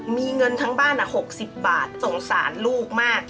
มีเงินทั้งบ้าน๖๐บาทสงสารลูกมาก